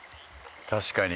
確かに。